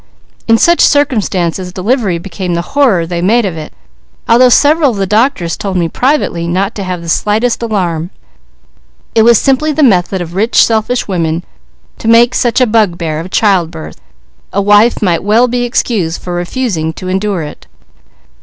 "In such circumstances delivery became the horror they made of it, although several of the doctors told me privately not to have the slightest alarm; it was simply the method of rich selfish women to make such a bugbear of childbirth a wife might well be excused for refusing to endure it.